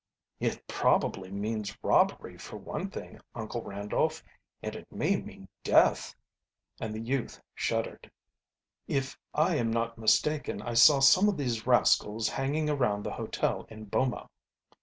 "It probably means robbery, for one thing, Uncle Randolph. And it may mean death." And the youth, shuddered. "If I am not mistaken I saw some of these rascals hanging around the hotel in Boma."